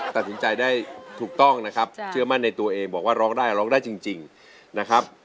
ตัดสินใจได้ถูกต้องนะครับเชื่อมั่นในตัวเองบอกว่าร้องได้ร้องได้จริงนะครับ